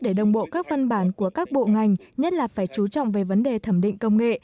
để đồng bộ các văn bản của các bộ ngành nhất là phải chú trọng về vấn đề thẩm định công nghệ